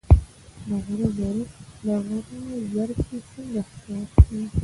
د غره زرکې څنګه ښکار کیږي؟